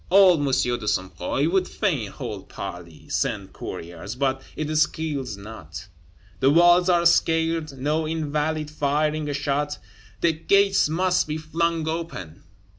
Old M. de Sombreuil would fain hold parley, send couriers, but it skills not: the walls are scaled, no Invalide firing a shot; the gates must be flung open.